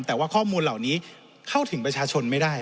แต่ว่าข้อมูลเหล่านี้เข้าถึงประชาชนไม่ได้